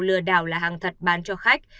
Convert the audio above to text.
lừa đảo là hàng thật bán cho khách